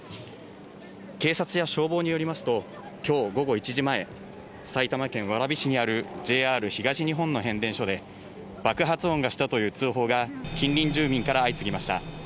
警察や消防によりますと、きょう午後１時前、埼玉県蕨市にあるＪＲ東日本の変電所で、爆発音がしたという通報が近隣住民から相次ぎました。